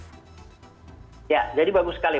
ya jadi bagus sekali